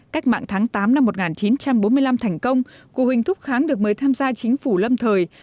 cách mạng tháng tám năm một nghìn chín trăm bốn mươi năm thành công cụ huỳnh thúc kháng được mời tham gia chính phủ lâm thời